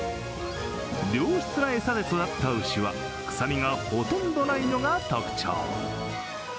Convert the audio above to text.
良質な餌で育った牛は臭みがほとんどないのが特徴。